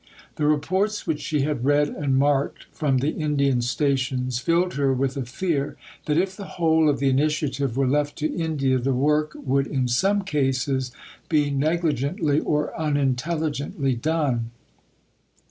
The reports which she had read and marked from the Indian stations filled her with a fear that if the whole of the initiative were left to India the work would in some cases be negligently or unintelligently done.